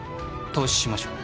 投資しましょう。